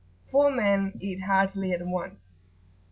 Poor men eat heartily at once.